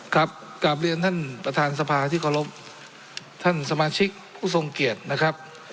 กลับเรียนท่านประธานสภาที่เคารพท่านสมาชิกผู้ทรงเกียรตินะครับ